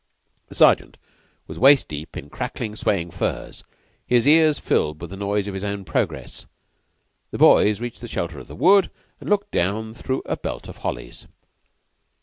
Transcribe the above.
The Sergeant was waist deep in crackling, swaying furze, his ears filled with the noise of his own progress. The boys reached the shelter of the wood and looked down through a belt of hollies.